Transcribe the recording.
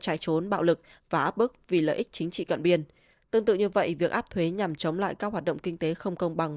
tương tự như vậy việc áp thuế nhằm chống lại các hoạt động kinh tế không công bằng